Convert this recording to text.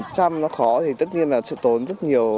chăm nó khó thì tất nhiên là sự tốn rất nhiều